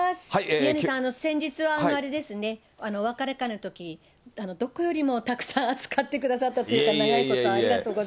宮根さん、先日はあれですね、お別れ会のとき、どこよりもたくさん扱ってくれたというか、長いことありがとうご